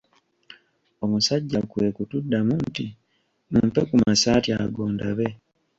Omusajja kwe kutuddamu nti "mumpe ku masaati ago ndabe."